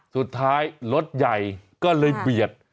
สุดท้ายรถใหญ่ก็เลยเบียด